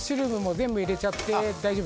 全部入れちゃって大丈夫？